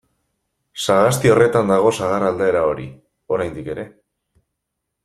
Sagasti horretan dago sagar aldaera hori, oraindik ere.